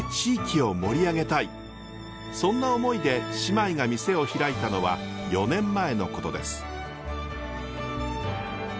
そんな思いで姉妹が店を開いたのは４年前のことです。